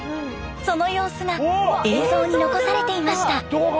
その様子が映像に残されていました。